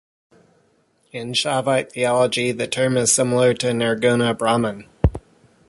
In Shaivite theology, the term is similar to Nirguna Brahman.